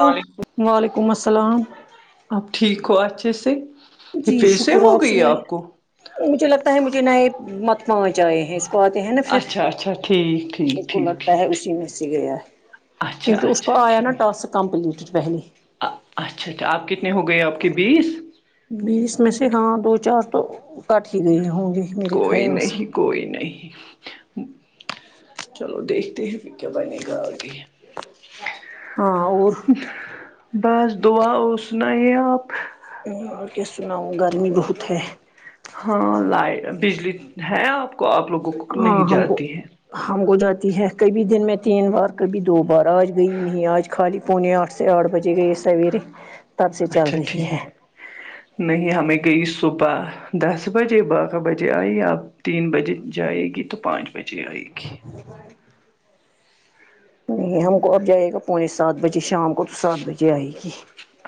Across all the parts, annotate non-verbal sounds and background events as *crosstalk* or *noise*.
السلام وعلیکم السلام اب ٹھیک ہو اچھے سے جی یے پھر سے شکر ہو گئی آپ کو سنیے مجھے لگتا ہے مجھے نا ایک مت نا جائے ہیں آتے ہیں نا پھر اچھا اچھا ٹھیک ٹھیک بالکل ٹھیک لگتا ہے ٹھیک اسی میں سے گیا اچھا کیونکی اس کو اچھا آیا نا ٹھیک ٹاسک کمپلیٹ پہلیے اچھا اچھا آپ کتنے ہو گئے آپ کے بیس بیس میں سے ہاں دو چار تو کٹ ہی گئی ہوں گے میرے کوئی خیال سے نہیں کوئی نہیں چلو دیکھتے ہیں ہاں اور *unintelligible* بس دعا سنائیے آپ اور کیا سناؤ گرمی بہت ہے ہاں لائٹ بجلی ہے آپ کو آپ لوگوں کو ہاں نہیں ہم کو جاتی ہے ہم کو جاتی ہے کبھی دن میں تین بار کبھی دو بار آج گئی نہیں آج خالی پونے آٹھ سے آٹھ بجے گئے سویرے تب سے اچھا چل رہی ٹھیک ہے نہیں ہمیں گئی صبح دس بجے بارہ بجے آئی آپ تین بجے جائے گی تو پانچ بجے آئے گی ج *unintelligible* نہیں ہم کو اب جائے گا پونے سات بجے شام کو تو سات بجے آئے گی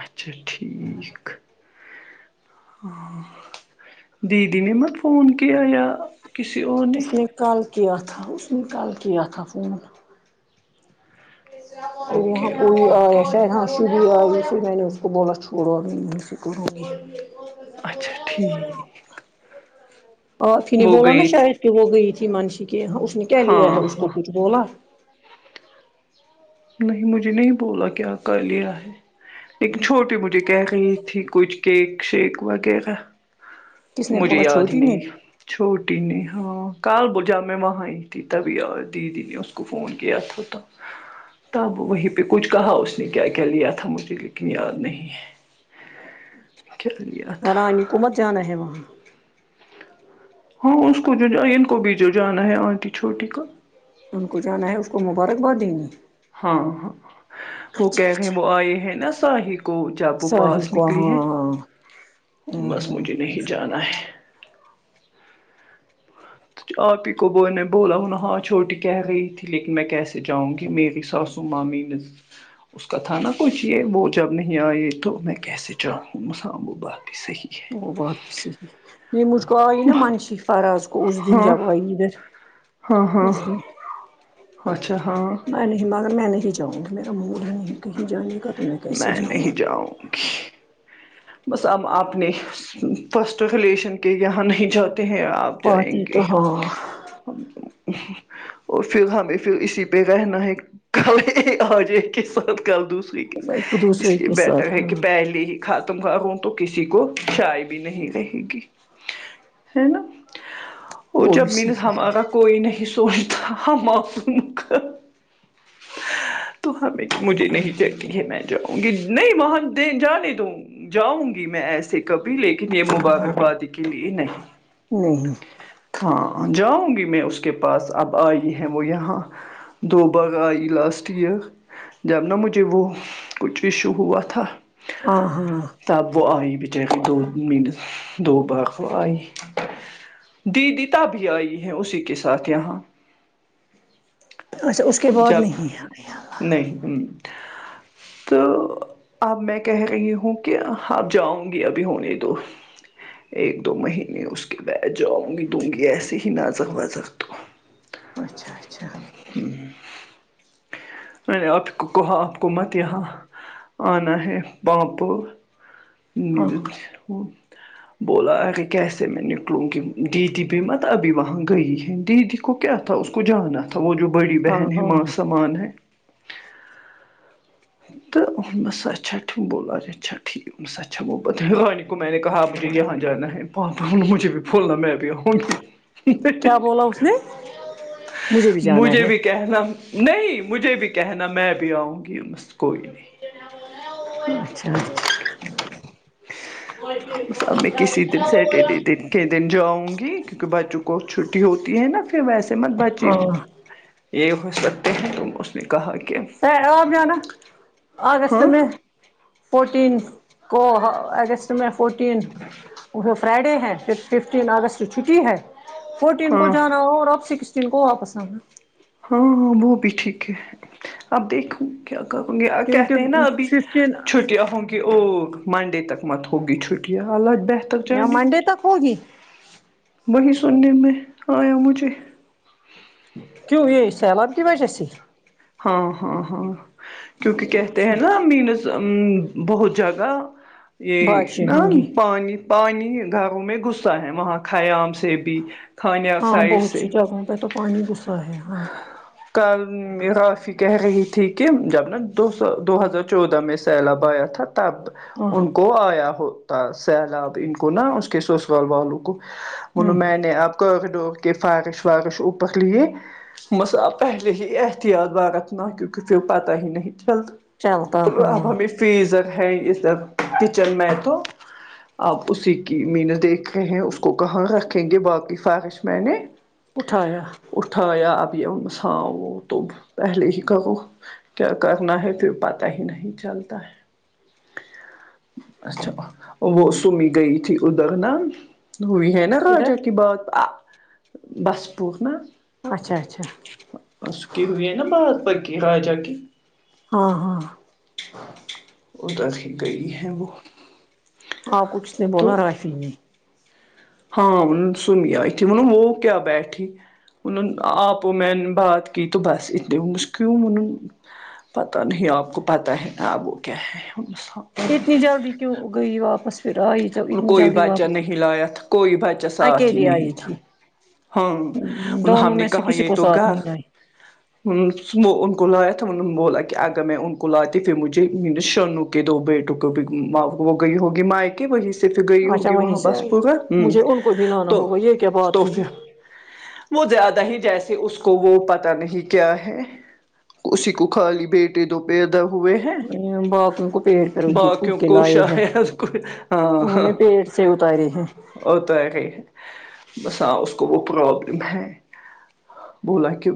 اچھا ٹھیک دیدی نے مت فون کیا یا کسی اور اس نے کال کیا تھا اس نے کل کیا تھا فون وہاں اوکے کوئی اوکے آ اوکے شاید ہاں شبی آ گئی پھر میں نے اس کو بولا چھوڑو *unintelligible* سے اچھا ٹھیک آپ ہی نے وہ بولا نا گئے تھے شاید کہ وہ گئی تھی منشی کے اس نے کیا لیا ہے ہاں اس ہاں کو کچھ بولا نہیں مجھے نہیں بولا کیا کر لیا ہے ایک چھوٹی مجھے کہہ رہی تھی کچھ کیک شیک وغیرہ کس نے مجھے بولا یاد ہی چھوٹی نے نہیں چھوٹی نہیں ہاں کال بو جا میں وہاں ہی تھی تبھی اور دیدی نے اس کو فون کیا تھا تو تب وہی پے کچھ کہا اس نے کیا کیا لیا تھا مجھے لیکن یاد نہیں کیا لیا تھا رانی کمت جان ہے وہاں ہاں اس کو جو ججایت کو بھی جو جانا ہے آنٹی چھوٹی کا ان کو جانا ہے اس کو مبارک باد دینی ہے ہاں ہاں وہ کہہ رہے ہیں اچھا وہ آئے ہیں نا ساحل کو چاپو ساحل پاس کو نکلی ہے ہاں ہاں بس مجھے ہاں نہیں جانا ہے آپ ہی کو ب نے بولا ہن ہاں چھوٹی کہہ گئی تھی لیکن میں کیسے جاؤں گی میری ساس تو مامی اس کا تھا نا کچھ یہ وہ جب نہیں آئے تو میں کیسے چاہوں مسامو پر صحیح کیا وہ بات بھی صحیح یہ مجھکو آئی نا منشی فراز وہ اس دن ہاں جب آئی ادھر ہاں ہاں اس دن اچھا ہاں نہیں مگر میں نہیں جاؤں گی میرا موڈ نہیں ہے کہیں جانے گا تو میں میں نہیں جاؤں گی بس ہم اپنےفسٹ رلیشن کے یہاں نہیں جاتے ہیں آپ جائیں پارٹی تو گے ہاں اور پھر ہمیں پھر اسی پہ رہنا ہے کل آج ایک کے ساتھ کل دوسر اس دوسرے لیے کے ساتھ بیٹر ہے ہاں کہ پہلے ہی ختم کر ہوں تو کسی کو چائے بھی نہیں رہے گی ہے نا اور وہ بھی جب میں نےز صحیح ہم ہے آگر کوئی نہیں سوچتا ہم آ تو ہمیں مجھے نہیں چلتی ہے میں جاؤں گی نہیں وہاں دے جا نے دوں جاؤں گی میں ایسے کبھی لیکن یہ مبارکبادی کے لیے نہیں نہیں ہاں جاؤں گی میں اس کے پاس اب آئی ہے وہ یہاں دو بار آئی لاسٹ ایئر جب نا مجھے وہ کچھ ایشو ہوا تھا آ ہاں تب وہ آئی بچاری دو منٹ دو بار وہ آئی دیدی تبھی آئی ہے اسی کے ساتھ یہاں اچھا اس کے بعد جب نہیں نہیں، ام تو اب میں کہہ رہی ہوں کہ آپ جاؤں گی ابھی ہونے دو ایک دو مہینے اس کے بعد جاؤں گی دوں گی ایسے ہی نازک وازک تو اچھا اچھا میں نے آپکو کہا آپ کو مت یہاں آنا ہے پاپ ہاں *unintelligible* بولا ا کہے کیسے میں نکلوں گی دیدی بھی مت ابھی وہاں گئی ہے دیدی اس کو کیا تھا اس کو جانا تھا وہ جو بڑی ہاں بہن ہے ماں ہاں سمان ہے توس اچھا بول اچھا ٹھیک بس اچھا محبت ہے رانی کو میں نے کہا مجھے یہاں جانا ہے مجھے بھی بھولنا میں بھی آؤں گی کیا بولا اس نے بھی جانا مجھے ہے بھی کہنا نہیں مجھے بھی کہنا میں بھی آؤں گی بس کوئی نہیں اچھا بس ہم میں کسی دن سیٹرڈے دن کئی دن جاؤں گی کیونکہ بچوں کو چھٹی ہوتی ہے نا پھر ویسے مت بچے ہاں یہ ہو سکتے ہیں تو اس نے کہا کہ آ جانا اگسٹ ہاں میں فورٹینتھ کو اگست میں فورٹین فرائیڈے ہے پھر ففٹین اگسٹ چھٹی ہے فورٹین کو ہاں ہاں جانا ہو اور اب سکسٹین کو واپس آنا ہاں وہ بھی ٹھیک ہے اب دیکھوں کیا کہوں گی کہتے ہیں نا کیونکہ ابھی ففٹین چھٹیاں ہوں او منڈے تک مت ہوگی چھٹٹییاں ال بہتر یا جانے منڈے تک ہوگی وہی سننے میں آیا مجھے کیوں یہ سیلاب کی وجہ سے ہاں ہاں ہاں کیونکہ کہتے ہیں نا بہت جگہ یہ بارشیں نا ہوں گی پانی پانی گھروں میں گھستا ہے وہاں خیام سے بھی خانیہ ہاں سائڈ بہت سی سے جگہوں پہ تو پانی غصہ ہے ہاں کل رافی کہہ رہی تھی کہ جب نا دو سو دو ہزار چودہ میں سیلاب آیا تھا تب ہاں ان کو آیا ہوتا سیلاب ان کو نا اس کے سسرال والوں کو ہوں میں نے اب لیے احتط باغت نا کیونکہ پھر پتہ ہی نہیںلد چلتا اب ہاں ہمشہ فریزر ہے اس کچن میں تو آپ اسی کی مینناتیں دیکھ رہے ہیں اس کو کہاں رکھیں گے باقی خواہش میں نے اٹھایا اٹھایا اب مساؤ تو پہلے ہی کہو کیا کرنا ہے تو پتا ہی نہیں چلتا ہے اچھا وہ سمی گئی تھی ادھر نام ہوئی ہے نا کدھر راجا کی بات بسپو نا اچھا اچھا اس کی ہوئی ہے نا بات پگی راجا کی ہاں ہاں ادھر ہی گئی ہے وہ ہاں کچھ نہیں بولا تو راشی جی ہاں سن گ آئی تھی موں وہ کیا بیٹھی انوں آپ میں نے بات کی تو بس اتنےھ کیوں ان پتا نہیں آپ کو پتا ہے نا اب وہ کیا ہے وہ بھی اتنی ہے جلدی کیوں گئی یہ واپس پھر آئی چ ان اتنی کوئی جلدی بچہ واپس نہیں لایا تھا کوئی بچہ ساتھ ہی اکیلی نہیں آئی تھا تھی ہاں ان دونوں ہم نے میں سے کہا کسی یہ کو تو ساتھ نہیں گھر لائی بولا کہ اگر میں *unintelligible* کے دو بیٹے ٹکٹک ماں وہ گئی ہوگی ماں ایک ہی بجی سے پھر گئی اچھا ہوگی وہیں وہاں سے بس آئی مجھے ان کو بھی لانا تو ہوگا یہ کیا بات توفھر وہ زیادہ ہی جیسے اس کو وہ پتا نہیں کیا ہے اسی کو خالی بیٹے دو پیدا ہوئے ہیں باقوں کو پیٹ کرو گی باقیوں کوکے کو لاائے ہے شاید کو ہاں انہوں ہاں نے پیٹ سے اتاری ہیں ہوتا ہے گئی ہے بس ہاں اس کو وہ پرابلم ہے بولا کہ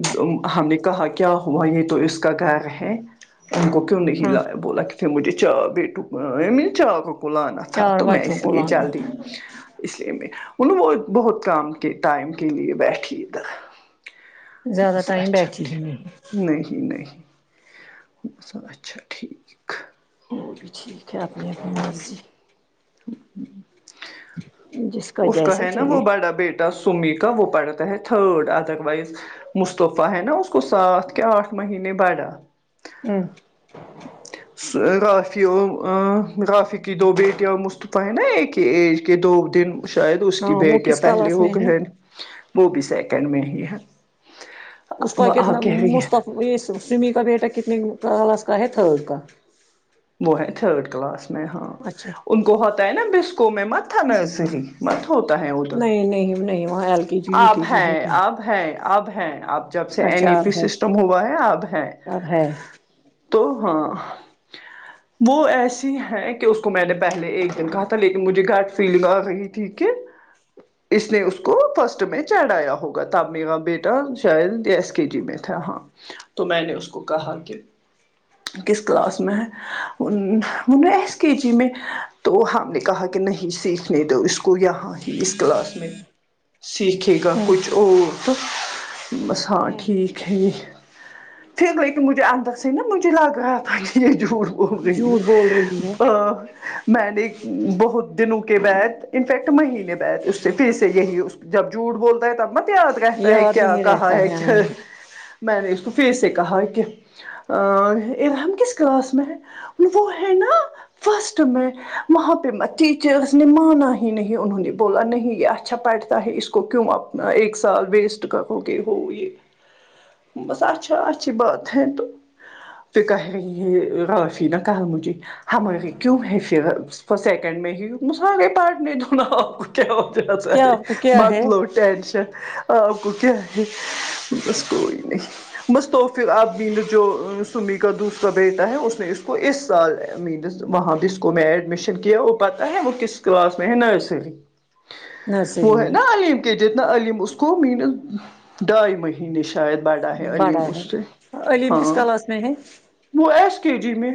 ہم نے کہا کیا ہوا یہ تو اس کا گھر ہے ان کو کیوں نہیں ہاں لایا بولا کہ پھر مجھے چا بیٹوک چا کو لانا تھا چار تو میں بچوں اس کو لیے لانا چل رہی اس لیے میں انو وہ بہت کام کے ٹائم کے لیے بیٹھی تھا زیادہ بس ٹائم اچھا بیٹھی ہی ٹھیک نہیں نہیں نہیں بس سب اچھا ٹھیک وہ بھی ٹھیک ہے اپنی اپنی مرضی جیس اس کا ہے نا وہ بڑا بیٹا سمی کا وہ پڑھتا ہے تھرڈ ادر وائز مصطفی ہے نا اس کو سات کے آٹھ مہینے بڑھا ہوں رافیا ا رافی کی دو بیٹں مصطفی ہیں نا اکے ایج کے دو دن شاید اس ہاں کی وہ بیٹیاں کس پہلے کلاس ہو میں ہے گئے وہ بھی سیکنڈ میں ہی ہے اس کا وہ آ کتنا کہہ رہی ہے مستق سمی کا بیٹا کتنے کس کا ہے تھرڈ کا وہ ہیں تھرڈ کلاس میں ہاں اچھا ان کو ہوتا ہے نا بسکو میں مت ہے نرسری مت ہوتا ہے ادھر نہیں نہیں وہاں ایل کی جی یو اب کے جی ہے ہوتا اب ہے اب ہے اب جب سے این ای اچھا اب پی ہے سسٹم ہوا ہے اب ہے اب ہے تو ہاں وہ ایسی ہیں کہ اس کو میں نے پہلے ایک دن کہا تھا لیکن مجھے گٹ فیلنگ آ رہی تھی کہ اس نے اس کو فس تو میں چڑھایا ہوگا تب میرا بیٹا شاید ایس کے جی میں تھا ہاں تو میں نے اس کو کہا کہ کس کلاس میں ہیں انہوں نے ایس کے جی میں تو ہم نے کہا کہ نہیں سیکھنے دو اس کو کو یہاں ہی اس کلاس میں سیکھے گا کچھ ہ اور تو بس ہاں ٹھیک پھر لیکن مجھے اندر سے نا مجھے لگ رہا تھا کہ یہ جور بول رہی جھوٹ بول رہی ہیں ہے ہاں میں نے بہت دنوں کے بعد انفیکٹ مہینے بعد اس سے پھر سے یہی جب جھوٹ بولتا ہے تب متیاد کہتا ہے یاد کیا نہیں کہا رہتا ہے کیا ہمیں میں نے اس کو فھر سے کہا ہے کہ ایرم کس کلاس میں ہیں وہ ہے نا فرسٹ میں وہاں پہ ٹیچرس نے مانا ہی نہیں انہوں نے بولا نہیں یہ اچھا پڑھتا تا ہے اس کو کیوںنا ایک سال ویسٹ کرو گے ہو یہ بس اچھا اچھی بات ہے تو تو کہہ رہی ہے رفی ن کہا مجھے ہمماری کیوں ہے فر سیکنڈ میں ہی مس پارٹنے دو نا کیا ہو جاتا ہے کیا آپ کو کیا ہے مطلو ٹینشن آپ کوک ہے بس کوئی نہیں بس تو پھر آپ *unintelligible* جو سمی کا دوسرا بیٹا ہے اس نے اس کو اس سال مینس وہاں جس کو میں ایڈمیشن کیا وہ پتہ ہے وہ کس کلاس میں ہے نرسری نرسری وہ ہے نا میں علیم کے جتنا علیم اس کو مینس ڈائی میں مہینے شاید باٹا ہے بڑا علیم اس ہے سے علیم کس ہاں کلاس میں ہے وہ ایس کے جی میں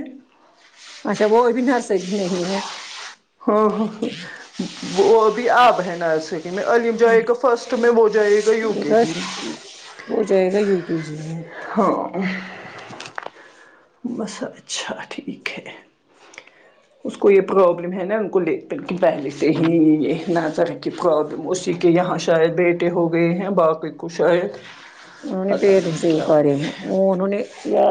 اچھا وہ آبھی نرسری میں ہی ہے ہاں ہاں ہا وہ ابھی اب ہے نرسری میں علیم جائے گا فرسٹ میں وہ جائے گا یو کے ج میں وہ جائے گا یو کے جی میں ہاں بس سب اچھا ٹھیک ہے اس کو یہ پروابلم ہے نا ان کو ل کر کہ پہلے سے ہی یہی نہ طرح کی پرابلم اسی کے یہاں شاید بیٹے ہو گئے ہیں باقی کو شاید انہوں نے پتہ پیٹ سے نہیں کیا اتارے ہوئے ہیں وہ انہوں نے یا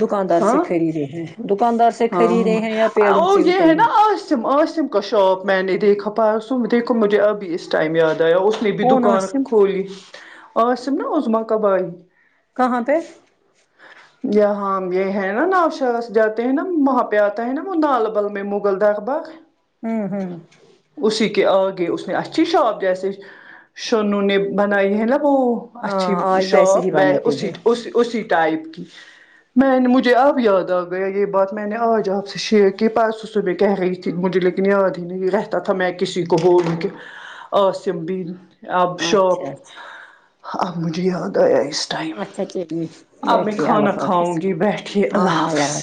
دکاندار سے خریدے ہیں دکاندار سے ہاں خریدے ہاں ہیں یا آ پیڑوں وہ سے یہ ہے اتارے نا ہیں عاصم عاصم کا شاپ میں نے دیکھا پرسوں دیکھو مجھے ابھی اس ٹائم یاد آیا اس نے بھی کون دکان عاصم کھولی اور عاصم نہ عظمی کا بھائی کہاں پہ یہ ہاں یہ ہے نہ *unintelligible* وہاں پے آتا ہے نا وہ نالبل میں مغل دغ بغ ہوں ہوں اسی کے آگے اس نے اچھی شاپ جیسے شونو نے بنائی ہے نا وہ اچھی ہاں آج ویسے ہی شاپ وے بناتے اسی ہیں اسی اسی ٹائپ کی میں نے مجھے اب یاد آ گیا یہ بات میں نے آج آپ سے شیئر کی پرسوں صبح کہہ رہی تھی مجھے لیکن یاد ہی نہیں یہ رہتے تا تھا میں کسی کو بول دوں کہ عاصم بھی اب شاپ اچھا اچھا ہا اب مجھے یاد آیا اس ٹائم اچھا چلیے اب میں بیٹھیے کھانا اللہ کھاؤں حافظ گی بیٹھیے اللہ حافظ